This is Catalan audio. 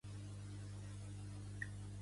L'èxit de Blume amb Are You There God?